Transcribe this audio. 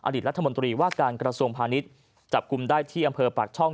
รัฐมนตรีว่าการกระทรวงพาณิชย์จับกลุ่มได้ที่อำเภอปากช่อง